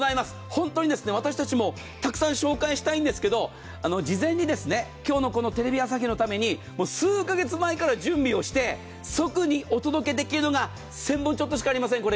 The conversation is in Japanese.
本当に、私たちもたくさん紹介したいんですが事前に今日のこのテレビ朝日のために数か月前から準備をして即、お届けできるのが１０００本ちょっとしかありません。